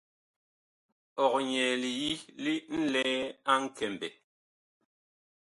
Ɔg nyɛɛ liyi ŋlɛɛ a Nkɛmbɛ.